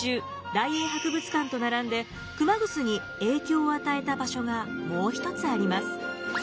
大英博物館と並んで熊楠に影響を与えた場所がもう一つあります。